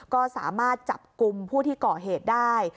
ก็สามารถจับกลุ่มผู้ที่ก่อเหตุได้